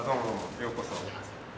ようこそ。